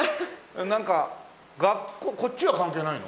なんか学校こっちは関係ないの？